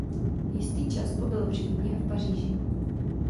Jistý čas pobyl v Římě a v Paříži.